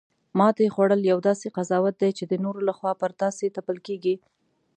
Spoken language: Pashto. ماتې خوړل یو داسې قضاوت دی چې د نورو لخوا پر تاسې تپل کیږي